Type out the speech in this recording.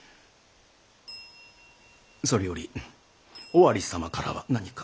それより尾張様からは何か？